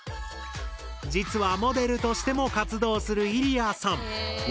実はモデルとしても活動するイリヤさん。